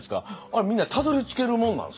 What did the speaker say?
あれみんなたどりつけるもんなんですか。